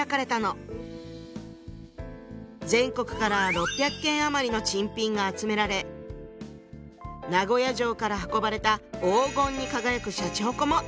全国から６００件余りの珍品が集められ名古屋城から運ばれた黄金に輝くしゃちほこも展示していたそうよ。